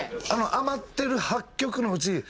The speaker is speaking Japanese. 余ってる８曲のうち７曲